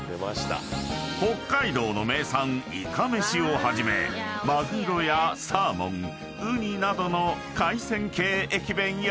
［北海道の名産いかめしをはじめマグロやサーモンうになどの海鮮系駅弁や］